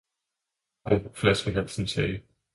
var det, flaskehalsen sagde.